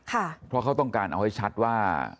เพราะเขาต้องการเอาให้ชัดว่า